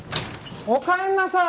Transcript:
おかえりなさい。